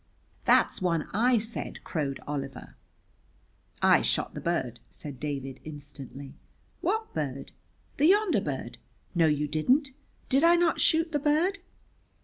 "That's one I said!" crowed Oliver. "I shot the bird," said David instantly. "What bird?" "The yonder bird." "No, you didn't." "Did I not shoot the bird?"